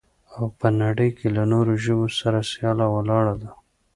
او په نړۍ کې له نورو ژبو سره سياله ولاړه ده.